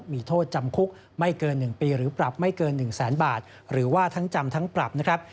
มีโทษจำคุกไม่เกิน๑ปีหรือปรับไม่เกิน๑แสนบาทหรือว่าทั้งจำทั้งปรับนะครับ